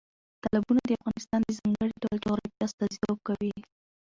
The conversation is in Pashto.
تالابونه د افغانستان د ځانګړي ډول جغرافیه استازیتوب کوي.